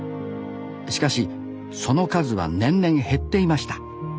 しかしその数は年々減っていました